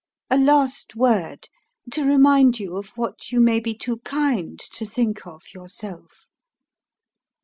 "A last word, to remind you of what you may be too kind to think of yourself.